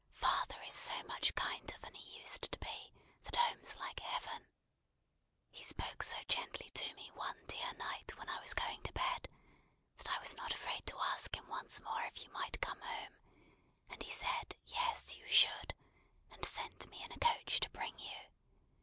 Father is so much kinder than he used to be, that home's like Heaven! He spoke so gently to me one dear night when I was going to bed, that I was not afraid to ask him once more if you might come home; and he said Yes, you should; and sent me in a coach to bring you.